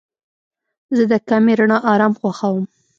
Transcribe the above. زه د کمې رڼا آرام خوښوم.